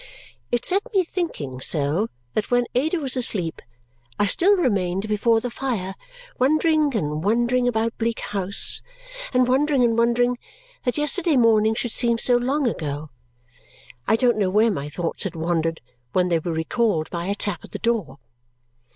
It set me thinking so that when Ada was asleep, I still remained before the fire, wondering and wondering about Bleak House, and wondering and wondering that yesterday morning should seem so long ago. I don't know where my thoughts had wandered when they were recalled by a tap at the door.